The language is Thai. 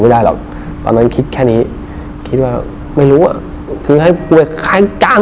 ได้หรอกตอนนั้นคิดแค่นี้คิดว่าไม่รู้อ่ะคือให้รวยใครจ้าง